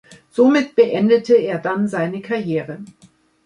Somit beendete er dann seine Karriere.